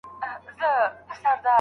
جنت سجده کې دی جنت په دې دنيا کې نشته